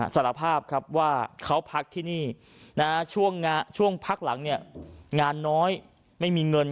สารภาพครับว่าเขาพักที่นี่ช่วงพักหลังเนี่ยงานน้อยไม่มีเงิน